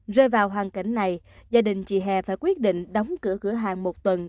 rơi vào hoàn cảnh này gia đình chị hè phải quyết định đóng cửa cửa hàng một tuần